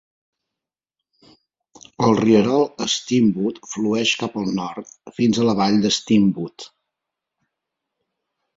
El rierol Steamboat flueix cap al nord fins a la vall de Steamboat.